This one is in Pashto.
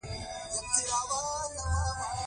استاد له بې علمۍ سره جنګیږي.